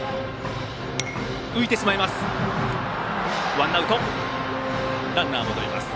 ワンアウト、ランナー戻ります。